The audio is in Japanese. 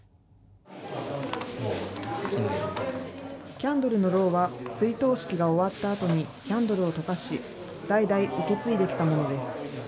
キャンドルのろうは追悼式が終わったあとにキャンドルを溶かし、代々受け継いできたものです。